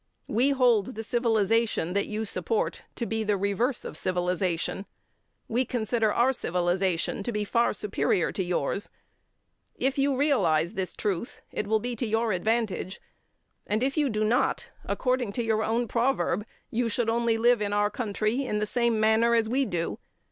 We hold the civilization that you support to be the reverse of civilization. We consider our civilization to be far superior to yours. If you realise this truth, it will be to your advantage, and, if you do not, according to your own proverb, you should only live in our country in the same manner as we do.